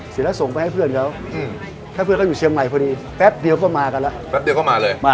ซีรักส่งมาให้เพื่อนเขาเพื่อนเขาอยู่เชียงใหม่เพียวนี้แป๊บเดี๋ยวก็มากันนะ